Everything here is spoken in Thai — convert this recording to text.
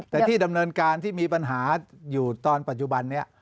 แต่ที่ดำเนินการที่มีปัญหาอยู่ตอนปัจจุบันนี้